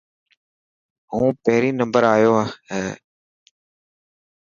هون پهريون نمبر آيو هي.